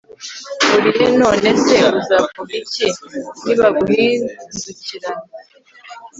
uri he none se uzavuga iki nibaguhindukirana